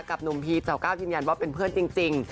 กับหนุ่มพีชสาวก้าวยืนยันว่าเป็นเพื่อนจริง